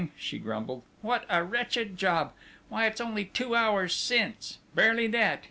she grumbled. "What a wretched job! Why, it's only two hours since barely that!...